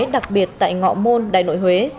đặc biệt tại ngọ môn đài nội huế